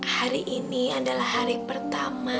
hari ini adalah hari pertama